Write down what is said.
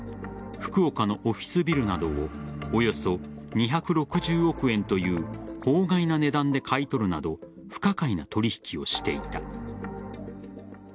福岡のオフィスビルなどをおよそ２６０億円という法外な値段で買い取るなど不可解な取引をしていた。